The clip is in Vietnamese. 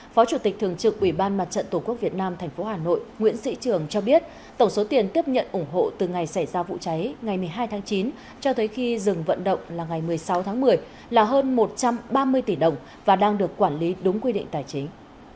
phó chủ tịch thường trực ủy ban mặt trận tổ quốc việt nam tp hà nội nguyễn sĩ trường cho biết tổng số tiền tiếp nhận ủng hộ từ ngày xảy ra vụ cháy ngày một mươi hai tháng chín cho tới khi dừng vận động là ngày một mươi sáu tháng một mươi là hơn một trăm ba mươi tỷ đồng và đang được quản lý đúng quy định tài chính